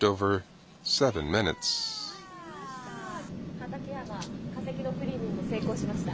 畠山、化石のクリーニング成功しました。